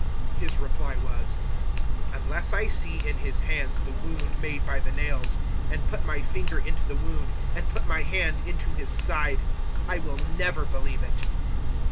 His reply was, "Unless I see in his hands the wound made by the nails and put my finger into the wound, and put my hand into his side, I will never believe it."